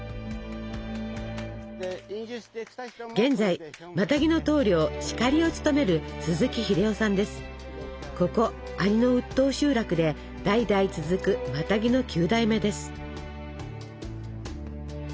現在マタギの頭領シカリを務めるここ阿仁の打当集落で代々続くマタギの９代目です。